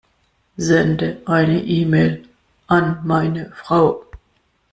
Sende eine E-Mail an meine Frau.